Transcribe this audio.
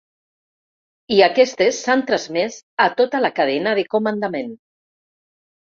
I aquestes s’han transmès a tota la cadena de comandament.